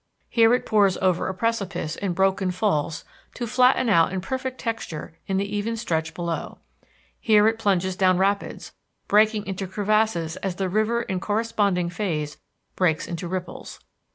Here it pours over a precipice in broken falls to flatten out in perfect texture in the even stretch below. Here it plunges down rapids, breaking into crevasses as the river in corresponding phase breaks into ripples.